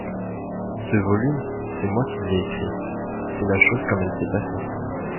Ce volume, c'est moi qui l'ai écrit ; c'est la chose comme elle s'est passée.